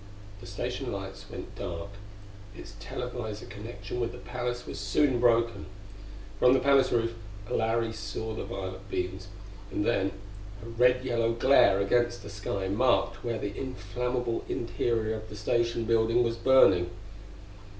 The station lights went dark; its televisor connection with the palace was soon broken. From the palace roof Larry saw the violet beams; and then a red yellow glare against the sky marked where the inflammable interior of the Station building was burning.